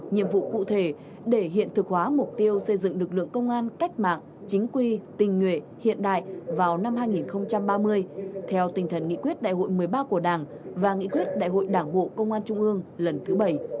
nhiệm vụ cụ thể để hiện thực hóa mục tiêu xây dựng lực lượng công an cách mạng chính quy tình nguyện hiện đại vào năm hai nghìn ba mươi theo tình thần nghị quyết đại hội một mươi ba của đảng và nghị quyết đại hội đảng bộ công an trung ương lần thứ bảy